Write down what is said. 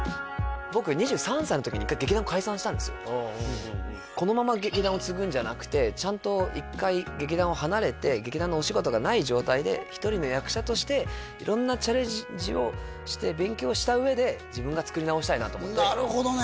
僕このまま劇団を継ぐんじゃなくてちゃんと一回劇団を離れて劇団のお仕事がない状態で１人の役者として色んなチャレンジをして勉強した上で自分が作り直したいなと思ってなるほどね